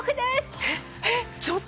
えっ！